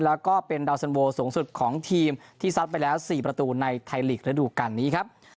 แล้วก็เป็นดาวสันโวสูงสุดของทีมที่ซัดไปแล้ว๔ประตูในไทยลีกระดูกการนี้ครับ